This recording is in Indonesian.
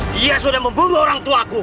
dia sudah membunuh orang tuaku